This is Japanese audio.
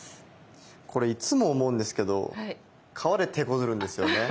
これいつも思うんですけど皮でてこずるんですよね。